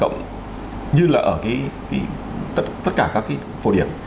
như là ở tất cả các cái phổ điểm